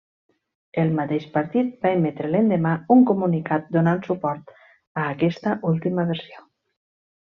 El mateix partit va emetre l'endemà un comunicat donant suport a aquesta última versió.